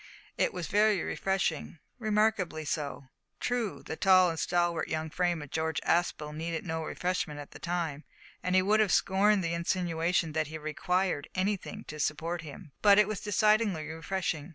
It was very refreshing remarkably so! True, the tall and stalwart young frame of George Aspel needed no refreshment at the time, and he would have scorned the insinuation that he required anything to support him but but it was decidedly refreshing!